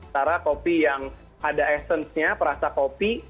cara kopi yang ada essence nya perasa kopi